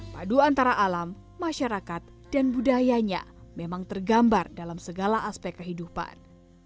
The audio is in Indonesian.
padu antara alam masyarakat dan budayanya memang tergambar dalam segala aspek kehidupan